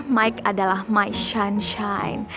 mike adalah my sunshine